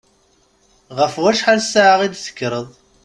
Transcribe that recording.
Ɣef wacḥal ssaɛa i d-tekkreḍ?